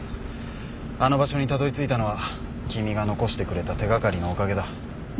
あの場所にたどりついたのは君が残してくれた手掛かりのおかげだ。